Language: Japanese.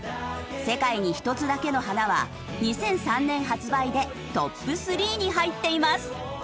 『世界に一つだけの花』は２００３年発売でトップ３に入っています。